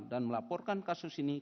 dan melaporkan kasus ini